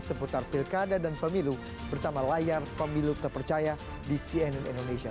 seputar pilkada dan pemilu bersama layar pemilu terpercaya di cnn indonesia